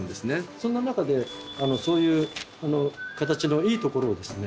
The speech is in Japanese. そんな中でそういう形のいいところをですね